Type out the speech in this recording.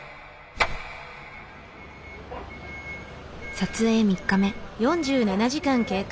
撮影３日目。